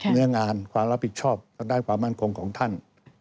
เนื้องานความรับผิดชอบทางด้านความมั่นคงของท่าน